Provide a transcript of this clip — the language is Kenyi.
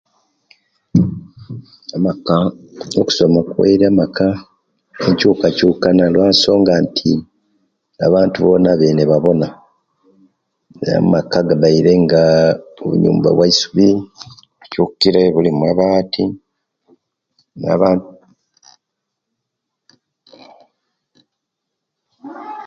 Amaka okusoma kuwaire amaka enkyukakyukana lwa nsonga nti abantu bona abene babona amaka agabaire nga obunyumba bwa'subi bukyukire buli mabati naba